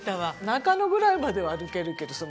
中野ぐらいまでは歩けるけどまあ。